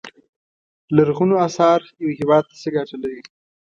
لرغونو اثار یو هیواد ته څه ګټه لري.